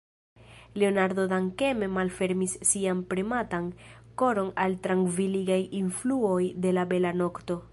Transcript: Leonardo dankeme malfermis sian prematan koron al trankviligaj influoj de la bela nokto.